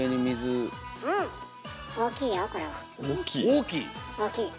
大きい？